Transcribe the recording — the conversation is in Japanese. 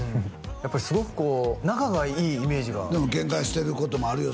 やっぱりすごくこう仲がいいイメージがでもケンカしてることもあるよ